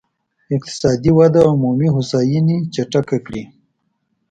اقتصادي وده عمومي هوساينې چټکه کړي.